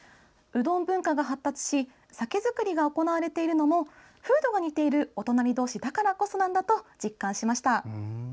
うどん文化が発達し酒造りが行われているのも風土が似ているお隣同士だからこそなんだと実感しました。